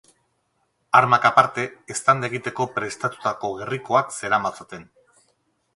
Armak aparte eztanda egiteko prestatutako gerrikoak zeramatzaten.